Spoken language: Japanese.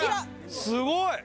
すごい！